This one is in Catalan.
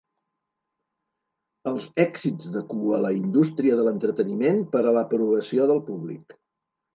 Els èxits de Ku a la indústria de l'entreteniment per a l'aprovació del públic.